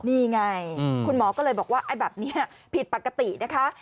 นี่ไงคุณหมอก็เลยบอกว่าไอ้แบบนี้ผิดปกตินะคะ